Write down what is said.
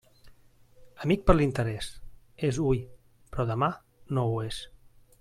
Amic per l'interés, és hui però demà no ho és.